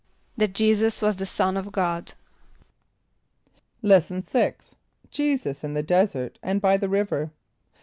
=That J[=e]´[s+]us was the Son of God.= Lesson VI. Jesus in the Desert and by the River.